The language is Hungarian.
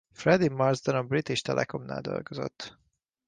Freddie Marsden a British Telecomnál dolgozott.